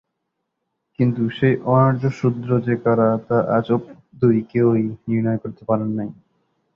কিন্তু সেই অনার্য শূদ্র যে কারা, তা আজ অবধি কেউই নির্ণয় করতে পারেন নাই।